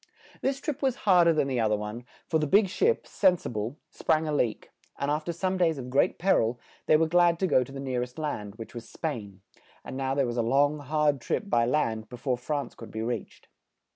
This trip was hard er than the oth er one, for the big ship, "Sen si ble," sprang a leak, and af ter some days of great per il, they were glad to go to the near est land, which was Spain; and now there was a long, hard trip by land be fore France could be reached.